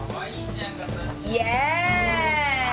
イエーイ！